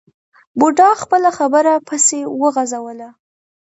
بوډا خپله خبره پسې وغځوله.